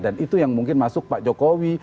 dan itu yang mungkin masuk pak jokowi